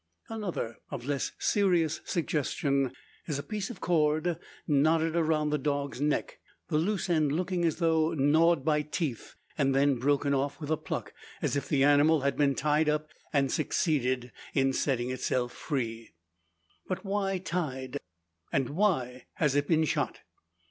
Another, of less serious suggestion, is a piece of cord knotted around the dog's neck the loose end looking as though gnawed by teeth, and then broken off with a pluck; as if the animal had been tied up, and succeeded in setting itself free. But why tied? And why has it been shot?